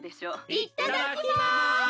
いっただきます！